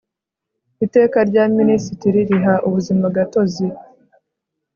iteka rya minisitiri riha ubuzimagatozi